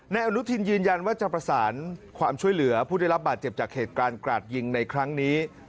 อนุทินยืนยันว่าจะประสานความช่วยเหลือผู้ได้รับบาดเจ็บจากเหตุการณ์กราดยิงในครั้งนี้